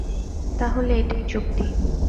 তাহলে এটাই চুক্তি?